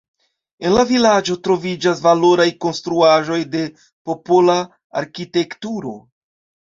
En la vilaĝo troviĝas valoraj konstruaĵoj de popola arkitekturo.